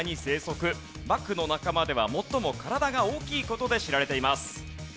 バクの仲間では最も体が大きい事で知られています。